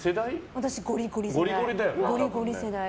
私、ゴリゴリ世代。